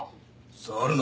触るな。